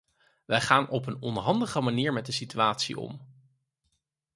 Wij gaan op een onhandige manier met de situatie om.